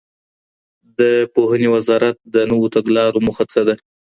د پوهنې وزارت د نویو تګلارو موخه څه ده؟